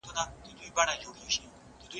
زه د نړۍ له غوغا څخه دې خونې ته راغلی وم.